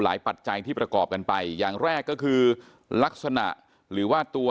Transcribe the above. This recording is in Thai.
ปัจจัยที่ประกอบกันไปอย่างแรกก็คือลักษณะหรือว่าตัว